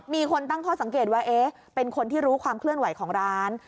มีคนตั้งข้อสังเกตว่าเอ๊ะเป็นคนที่รู้ความเคลื่อนไหวของร้าน